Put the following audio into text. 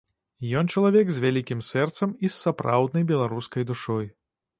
Ён чалавек з вялікім сэрцам і з сапраўднай беларускай душой.